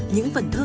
những vần thơ